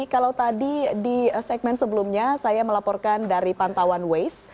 kalau tadi di segmen sebelumnya saya melaporkan dari pantauan waze